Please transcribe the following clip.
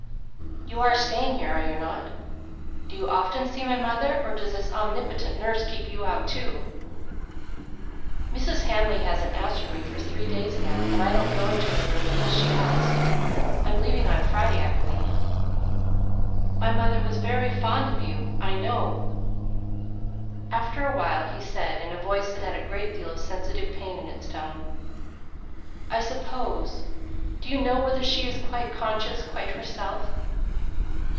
"You are staying here, are you not? Do you often see my mother, or does this omnipotent nurse keep you out too?" "Mrs. Hamley hasn't asked for me for three days now, and I don't go into her room unless she asks. I'm leaving on Friday, I believe." "My mother was very fond of you, I know." After a while he said, in a voice that had a great deal of sensitive pain in its tone, "I suppose do you know whether she is quite conscious quite herself?"